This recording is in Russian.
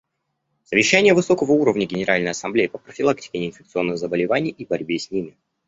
Совещание высокого уровня Генеральной Ассамблеи по профилактике неинфекционных заболеваний и борьбе с ними.